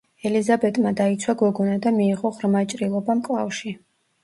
ელიზაბეტმა დაიცვა გოგონა და მიიღო ღრმა ჭრილობა მკლავში.